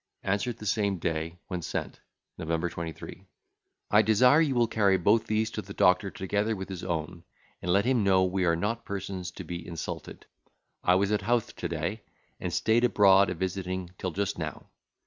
Answered the same day when sent, Nov. 23. I desire you will carry both these to the Doctor together with his own; and let him know we are not persons to be insulted. I was at Howth to day, and staid abroad a visiting till just now.